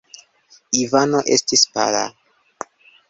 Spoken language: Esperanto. Ivano estis pala.